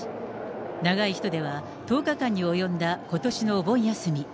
長い人では１０日間に及んだことしのお盆休み。